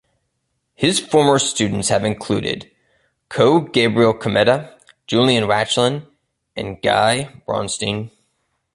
His former students have included Koh Gabriel Kameda, Julian Rachlin, and Guy Braunstein.